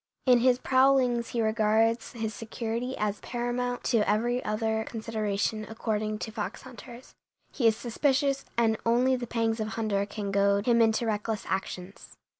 In his prowlings he regards his security as paramount to every other consideration, according to fox hunters. He is suspicious, and only the pangs of hunger can goad him into reckless actions.